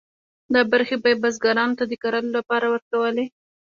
دا برخې به یې بزګرانو ته د کرلو لپاره ورکولې.